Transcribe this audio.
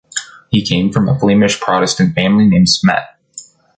He came from a Flemish Protestant family named Smet.